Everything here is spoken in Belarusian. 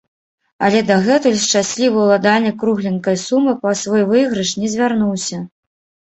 Але дагэтуль шчаслівы уладальнік кругленькай сумы па свой выйгрыш не звярнуўся.